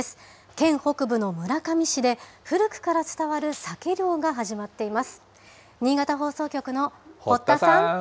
県北部の村上市で、古くから伝わるサケ漁が始まっています。